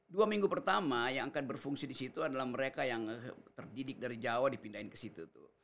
dua minggu pertama yang akan berfungsi disitu adalah mereka yang terdidik dari jawa dipindahin kesitu tuh